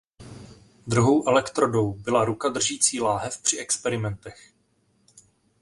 Druhou elektrodou byla ruka držící láhev při experimentech.